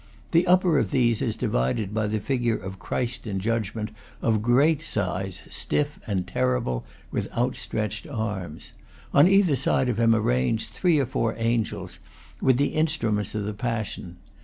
The upper of these is divided by the figure of Christ in judgment, of great size, stiff and terrible, with outstretched arms. On either side of him are ranged three or four angels, with the instruments of the Passion.